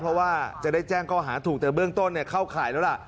เพราะว่าจะได้แจ้งข้อหาถูกแต่เบื้องต้นเข้าข่ายแล้วล่ะ